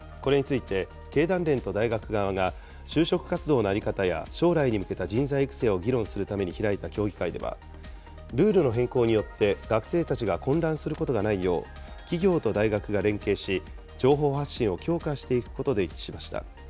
これについて経団連と大学側が就職活動の在り方や将来に向けた人材育成を議論するために開いた協議会ではルールの変更によって、学生たちが混乱することがないよう、企業と大学が連携し、情報発信を強化していくことで一致しました。